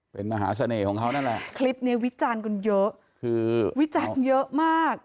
เป็นมหาเสน่ห์ของเขานั่นแหละคลิปนี้วิจารณ์กันเยอะคือวิจารณ์เยอะมาก